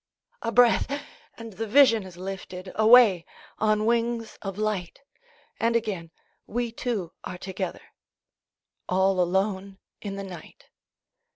A breath, and the vision is lifted Away on wings of light, And again we two are together, All alone in the night.